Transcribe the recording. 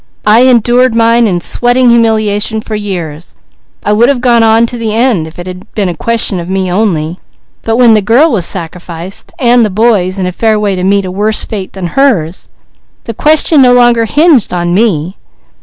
I endured mine in sweating humiliation for years, and I would have gone on to the end, if it had been a question of me only, but when the girl was sacrificed and the boys in a fair way to meet a worse fate than hers, the question no longer hinged on me.